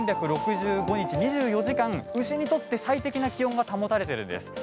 ３６５日２４時間、牛にとって最適な気温が保たれているんです。